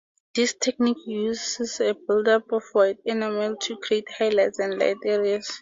This technique uses a buildup of white enamel to create highlights and light areas.